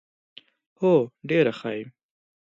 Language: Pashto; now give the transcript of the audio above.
هو ډېره ښه یم .